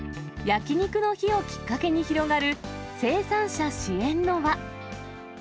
焼き肉の日をきっかけに広がる、生産者支援の輪。